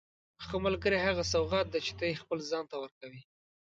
ښه ملګری هغه سوغات دی چې ته یې خپل ځان ته ورکوې.